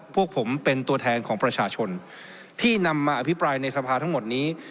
พวกผมเป็นตัวแทนของประชาชนที่นำมาอภิปรายในสภาทั้งหมดนี้